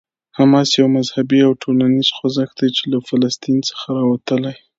حماس یو مذهبي او ټولنیز خوځښت دی چې له فلسطین څخه راوتلی.